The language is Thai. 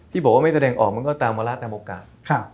ที่บอกว่าไม่แสดงออกมันก็ตามวาระตามโอกาส